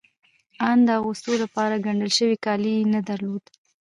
آن د اغوستو لپاره ګنډل شوي کالي يې نه درلودل.